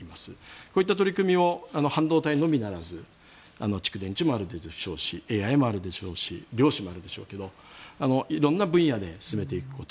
こういった取り組みを半導体のみならず蓄電池もあるでしょうしＡＩもあるでしょうし量子もあるでしょうけど色んな分野で進めていくこと。